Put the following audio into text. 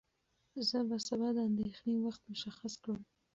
زه به سبا د اندېښنې وخت مشخص کړم.